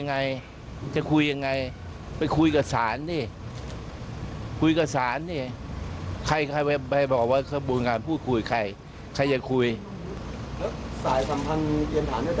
สายสัมพันธ์เกี่ยวฐานแล้วท่านไม่สรรพสีข้างกันด้านไหมครับ